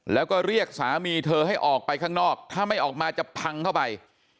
แล้วก็เรียกสามีเธอให้ออกไปข้างนอกถ้าไม่ออกมาจะพังเข้าไป